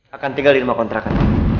akan tinggal di rumah kontrakan